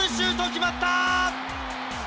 決まった！